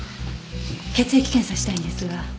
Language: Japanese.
血液検査したいんですが。